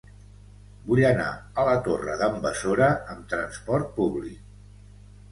Vull anar a la Torre d'en Besora amb transport públic.